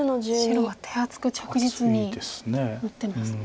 白は手厚く着実に打ってますね。